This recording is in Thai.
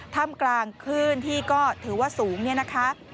ถ้ำกลางคลื่นที่ก็ถือว่าสูงเนี่ยนะคะ